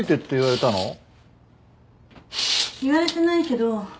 言われてないけど。